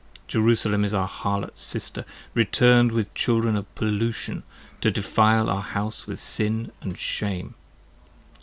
Jerusalem is our Harlot Sister Return'd with Children of pollution, to defile our House With Sin and Shame.